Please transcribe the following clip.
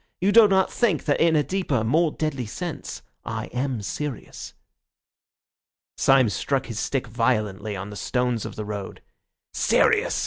You do not think that in a deeper, a more deadly sense, I am serious." Syme struck his stick violently on the stones of the road. "Serious!"